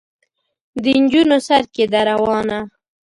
د نجونو سر کې ده روانه.